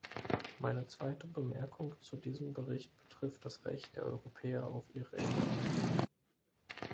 Meine zweite Bemerkung zu diesem Bericht betrifft das Recht der Europäer auf ihre Identität.